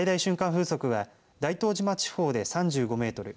風速は大東島地方で３５メートル